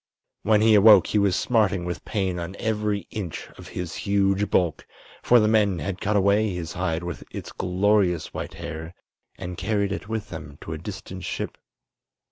When he awoke he was smarting with pain on every inch of his huge bulk, for the men had cut away his hide with its glorious white hair and carried it with them to a distant ship.